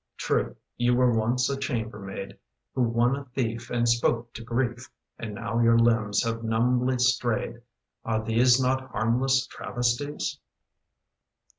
True, you were once a chamber maid Who won a thief and spoke to grief, And now your limbs have numbly strayed. Are these not harmless travesties?